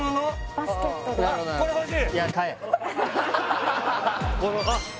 バスケットです